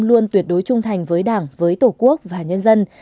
luôn tuyệt đối trung thành với đảng với tổ quốc và nhân dân